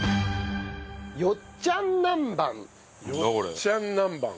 よっちゃんなんばん？